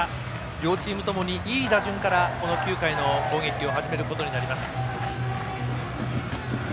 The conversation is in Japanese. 両チームともにいい打順からこの９回の攻撃を始めることになります。